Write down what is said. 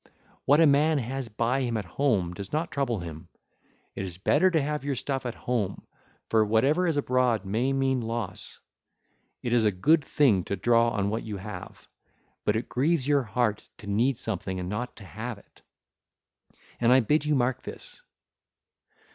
What a man has by him at home does not trouble him: it is better to have your stuff at home, for whatever is abroad may mean loss. It is a good thing to draw on what you have; but it grieves your heart to need something and not to have it, and I bid you mark this.